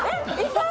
痛い！